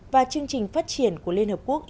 và chương trình phát triển của liên hợp quốc